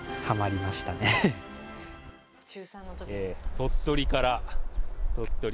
鳥取から鳥取から。